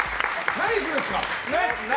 ナイスです。